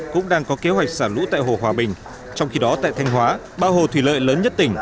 cũng đang có kế hoạch xả lũ tại hồ hòa bình trong khi đó tại thanh hóa bao hồ thủy lợi lớn nhất tỉnh